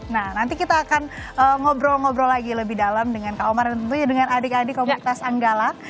nah nanti kita akan ngobrol ngobrol lagi lebih dalam dengan kak omar dan tentunya dengan adik adik komunitas anggala